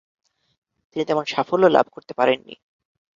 তিনি তেমন সাফল্য লাভ করতে পারেন নি।